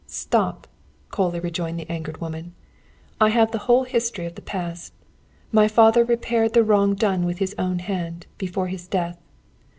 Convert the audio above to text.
"Stop!" coldly rejoined the angered woman. "I have the whole history of the past. My father repaired the wrong done with his own hand, before his death.